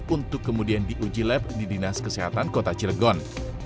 untuk kemudian diuji lab di dinas kesehatan kota cilegon